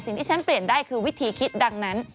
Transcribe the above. ที่ฉันเปลี่ยนได้คือวิธีคิดดังนั้น